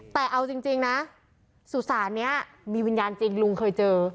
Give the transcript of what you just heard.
แต่เอาจริงนะสุสานนี้มีวิญญาณจริงลุงเคยเจอ